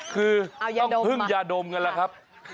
คือต้องพึ่งยาดมกันแหละครับ